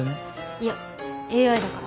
いやＡＩだから。